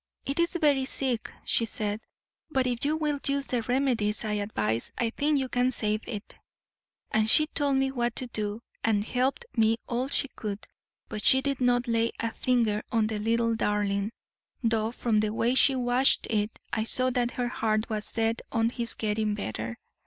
"'It is very sick,' she said, 'but if you will use the remedies I advise, I think you can save it.' And she told me what to do, and helped me all she could; but she did not lay a finger on the little darling, though from the way she watched it I saw that her heart was set on his getting better.